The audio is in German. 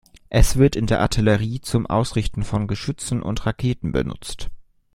Es wird in der Artillerie zum Ausrichten von Geschützen und Raketen benutzt.